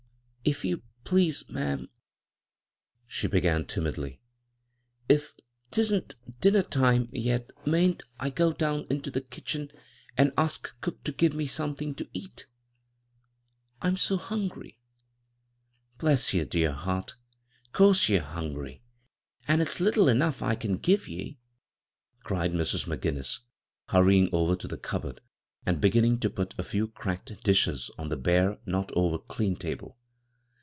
"If you please, ma'am," she began timidly, "if 'tisn't dinner time yet, mayn't I go down into the kitchen and ask cook to g^ve me something to eat ? I'm so hungty 1 " "Bless yer dear heart I 'Course yer hungry — an' it's little enough I can give ye," cried Mrs. McGinnis, hurrying over to the cupboard and beginning to put a few 36 b, Google CROSS CURRENTS cracked dishes on the bare, not over dean table.